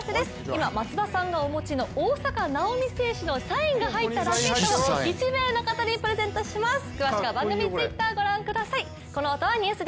今、松田さんがお持ちの大坂なおみ選手のサインが入ったラケットを１名様にプレゼントします。